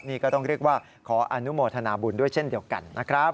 นี่ก็ต้องเรียกว่าขออนุโมทนาบุญด้วยเช่นเดียวกันนะครับ